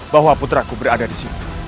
bahwa puteraku berada disini